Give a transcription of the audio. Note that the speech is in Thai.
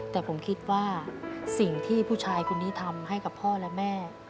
แต่ผมคิดว่าสิ่งที่ผู้ชายคนนี้ทำให้กับพ่อและแม่